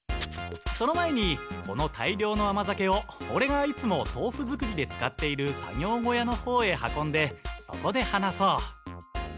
その前にこの大量の甘酒をオレがいつもとうふ作りで使っている作業小屋のほうへ運んでそこで話そう。